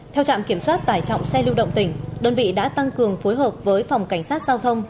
theo trạm kiểm soát tải trọng xe lưu động tỉnh đơn vị đã tăng cường phối hợp với phòng cảnh sát giao thông